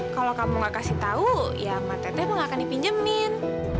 kalau kamu nggak kasih tahu ya ma teteh pun nggak akan dipinjemin